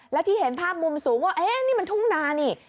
แล้วที่เห็นภาพมุมสูงว่าเอ๊ะนี่มันทุ่งนานี่